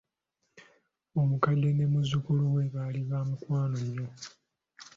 Omukadde ne muzzukulu we baali baamukwano nnyo.